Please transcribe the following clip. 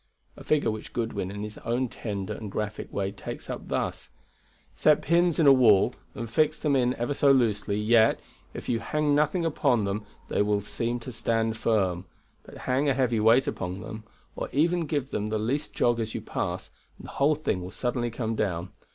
A figure which Goodwin in his own tender and graphic way takes up thus: "Set pins in a wall and fix them in ever so loosely, yet, if you hang nothing upon them they will seem to stand firm; but hang a heavy weight upon them, or even give them the least jog as you pass, and the whole thing will suddenly come down.